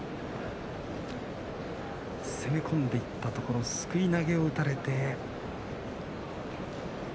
攻め込んでいったところすくい投げを打たれて。